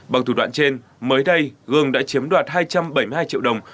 bằng thủ đoạn trên mới đây gương đã chiếm đoạt hai trăm bảy mươi hai triệu đồng